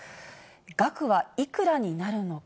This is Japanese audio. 額はいくらになるのか？